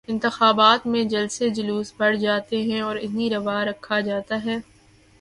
انتخابات میں جلسے جلوس بڑھ جاتے ہیں اور انہیں روا رکھا جاتا ہے۔